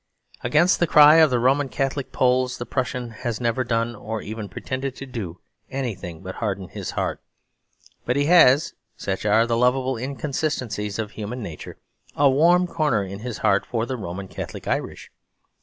Against the cry of the Roman Catholic Poles the Prussian has never done, or even pretended to do, anything but harden his heart; but he has (such are the lovable inconsistencies of human nature) a warm corner in his heart for the Roman Catholic Irish.